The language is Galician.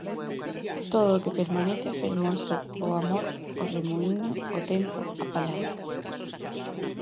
Todo o que permanece é fermoso: o amor, o remuíño, o tempo, a palabra.